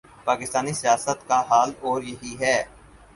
پاکستانی سیاست کا حال اور یہی ہے۔